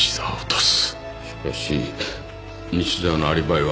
しかし西沢のアリバイは。